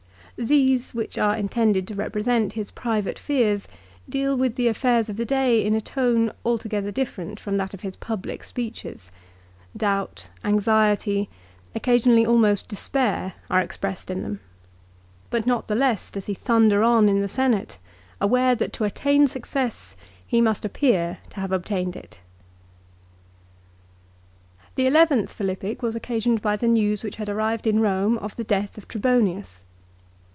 These, which are intended to represent his private fears, deal with the affairs of the day in a tone altogether different from that of his public speeches. 'Doubt, anxiety, occasionally almost despair, are expressed in them. But 1 Ad Bruttim, lib. ii. G. 262 LIFE OF CICERO, not the less does he thunder on in the Senate, aware that to attain success he must appear to have obtained it. The eleventh Philippic was occasioned by the news which had arrived in Borne of the death of Trebonius.